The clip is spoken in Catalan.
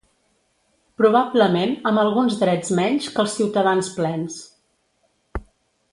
Probablement amb alguns drets menys que els ciutadans plens.